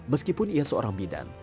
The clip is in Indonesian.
meskipun ia seorang bidang